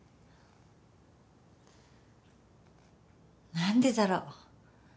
何でだろ？